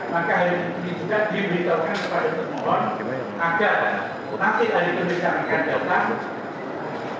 maka ini juga diberitahukan kepada termohon agar nanti hari itu bisa mengenai datang